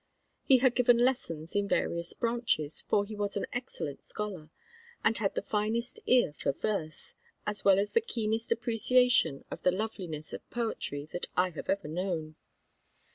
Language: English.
He had given lessons in various branches, for he was an excellent scholar, and had the finest ear for verse, as well as the keenest appreciation of the loveliness of poetry, that I have ever known.